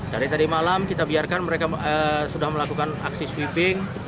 dari tadi malam kita biarkan mereka sudah melakukan aksi sweeping